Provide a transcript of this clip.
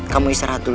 kamu istirahat dulu